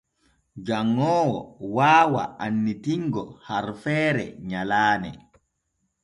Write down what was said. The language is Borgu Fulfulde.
Janŋoowo waawa annitingo harfeere nyalaane.